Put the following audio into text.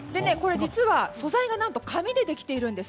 実は素材が紙でできているんです。